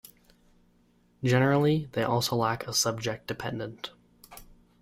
Generally, they also lack a subject dependent.